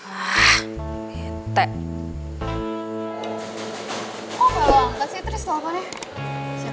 oh apa lo gak kasih tristan nelfonnya